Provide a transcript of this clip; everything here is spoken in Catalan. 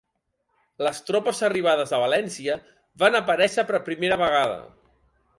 Les tropes arribades de València van aparèixer per primera vegada